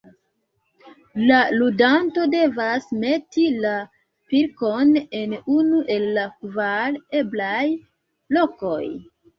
La ludanto devas meti la pilkon en unu el la kvar eblaj lokoj.